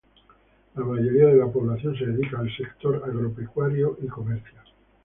La mayoría de la población se dedica al sector agropecuario y comercio.